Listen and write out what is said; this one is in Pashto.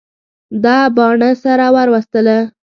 ده باڼه سره ور وستله.